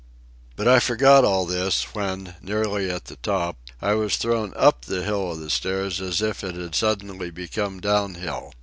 But I forgot all this, when, nearly at the top, I was thrown up the hill of the stairs as if it had suddenly become downhill.